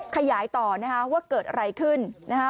ขยายต่อว่าเกิดอะไรขึ้น